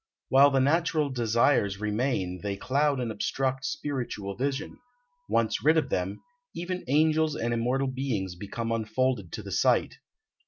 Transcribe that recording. While the natural desires remain they cloud and obstruct spiritual vision; once rid of them, even angels and immortal beings become unfolded to the sight.